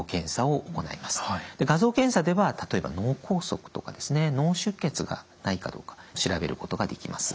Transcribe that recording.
画像検査では例えば脳梗塞とか脳出血がないかどうか調べることができます。